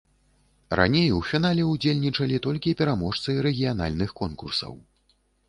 Раней у фінале ўдзельнічалі толькі пераможцы рэгіянальных конкурсаў.